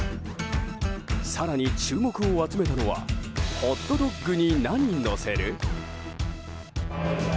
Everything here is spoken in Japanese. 更に、注目を集めたのはホットドッグに何のせる？